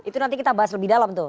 itu nanti kita bahas lebih dalam tuh